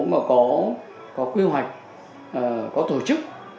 mà có quy hoạch có tổ chức